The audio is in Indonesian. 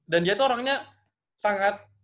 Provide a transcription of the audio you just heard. dan dia tuh orangnya sangat